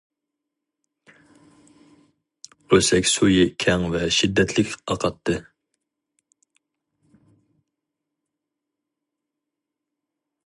ئۆسەك سۈيى كەڭ ۋە شىددەتلىك ئاقاتتى.